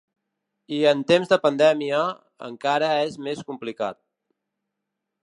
I en temps de pandèmia, encara és més complicat.